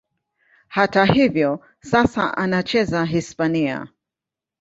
Hata hivyo, sasa anacheza Hispania.